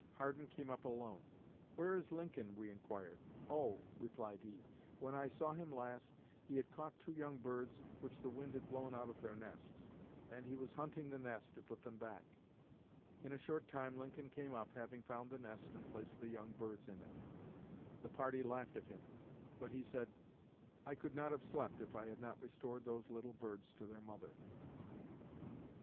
Hardin came up alone. 'Where is Lincoln?' we inquired. 'Oh,' replied he, 'when I saw him last he had caught two young birds which the wind had blown out of their nests, and he was hunting the nest to put them back.' In a short time Lincoln came up, having found the nest and placed the young birds in it. The party laughed at him; but he said, 'I could not have slept if I had not restored those little birds to their mother.'"